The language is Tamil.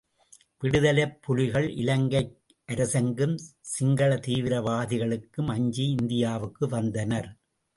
விடுதலைப்புலிகள், இலங்கை அரசுக்கும் சிங்கள தீவிர வாதிகளுக்கும் அஞ்சி இந்தியாவுக்கு வந்தனர்.